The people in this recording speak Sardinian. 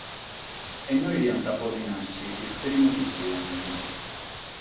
E inoghe diant pòdere nàschere sas primas chistiones.